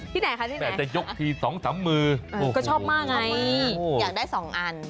ที่ไหนค่ะที่ไหนแต่จะยกที๒๓มือก็ชอบมากไงอยากได้๒อัน